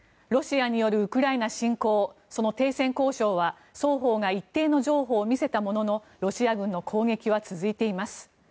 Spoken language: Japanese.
ロシアによるウクライナ侵攻その停戦交渉は双方が一定の譲歩を見せたもののロシア軍の攻撃は続いています。